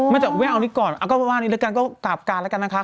มาจากคุณแม่เอานี่ก่อนเอาก็ว่าอันนี้กันก็กลับการละกันนะคะ